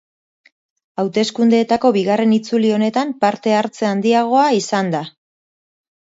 Hauteskundeetako bigarren itzuli honetan parte-hartze handiagoa izan da.